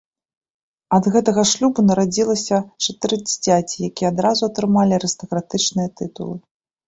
Ад гэтага шлюбу нарадзілася чатыры дзіцяці, якія адразу атрымалі арыстакратычныя тытулы.